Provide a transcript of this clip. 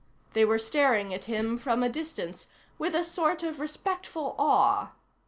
They were staring at him from a distance, with a sort of respectful awe.